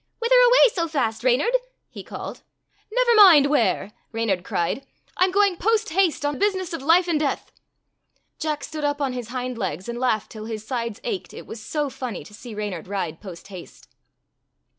"Whither away so fast, Reynard?" he called. "Never mind where," Reynard cried. " I 'm going post haste on business of life and death." Jack stood up on his hind legs, and laughed till his sides ached, it was so funny *to see Reynard ride post haste.